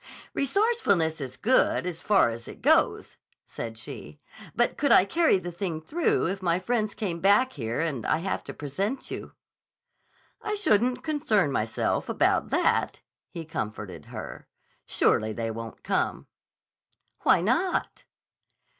"Resourcefulness is good as far as it goes," said she. "But could I carry the thing through if my friends come back here and I have to present you?" "I shouldn't concern myself about that," he comforted her. "Surely they won't come." "Why not?"